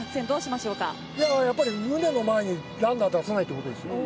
いやあやっぱりムネの前にランナー出さないっていう事ですよ。